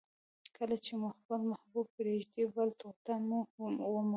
کله چي مو خپل محبوب پرېږدي، بله ټوټه مو ومري.